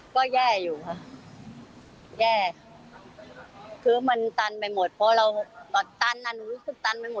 ก็แย่อยู่ค่ะแย่คือมันตันไปหมดเพราะเราตันไปหมด